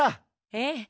ええ。